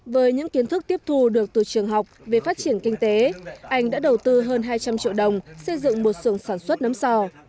với những kiến thức tiếp thu được từ trường học về phát triển kinh tế anh đã đầu tư hơn hai trăm linh triệu đồng xây dựng một sưởng sản xuất nấm sò